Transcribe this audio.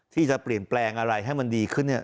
ที่จะเปลี่ยนแปลงอะไรให้มันดีขึ้นเนี่ย